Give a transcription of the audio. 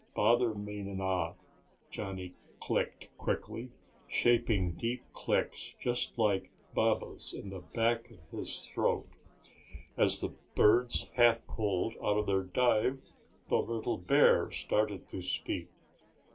Bother me not," Johnny clicked quickly, shaping deep clicks just like Baba's in the back of his throat. As the birds half pulled out of their dive, the little bear started to speak.